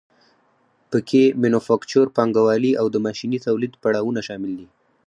پکې مینوفکچور پانګوالي او د ماشیني تولید پړاوونه شامل دي